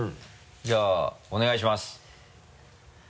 じゃあお願いします。